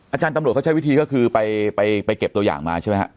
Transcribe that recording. อาจารย์ตำรวจเขาใช้วิธีก็คือไปเก็บตัวอย่างมาใช่ไหมฮะ